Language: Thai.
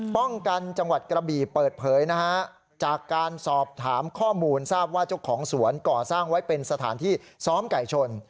ป้องกันจังหวัดกระบี่เปิดเผยนะฮะจากการสอบถามข้อมูลทราบว่าเจ้าของสวนก่อสร้างไว้เป็นสถานที่ซ้อมไก่ชน